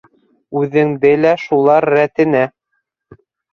Үҙеңде лә шулар рәтенә...